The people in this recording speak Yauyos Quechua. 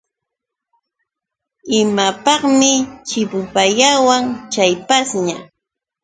¿Imapaqmi chipupayawan chay pashña.?